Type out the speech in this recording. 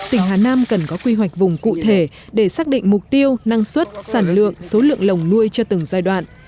tỉnh hà nam cần có quy hoạch vùng cụ thể để xác định mục tiêu năng suất sản lượng số lượng lồng nuôi cho từng giai đoạn